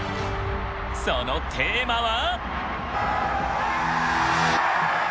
そのテーマは。